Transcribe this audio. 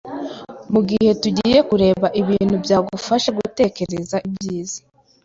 Mugihe tugiye kureba ibintu byagufasha gutekereza ibyiza